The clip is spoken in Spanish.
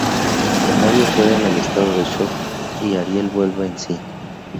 La novia queda en estado de shock y Ariel vuelve en sí.